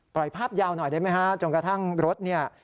ภาพยาวหน่อยได้ไหมฮะจนกระทั่งรถเนี่ย